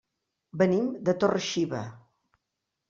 Venim de Torre-xiva.